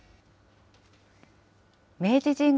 明治神宮